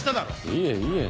いえいえ。